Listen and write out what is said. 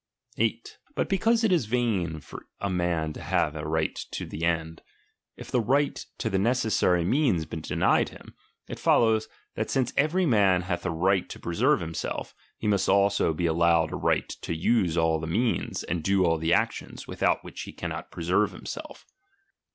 8. But because it is in vain for a man to have aArightto right to the end, if the right to the necessary li^^rigw" means be denied him, it follows, that since every """'"°°"' man hath a right to preserve himself, he must also be allowed a right to use alt the means, and do ^^i all the actions, without which he cannot preserve ^^M himself.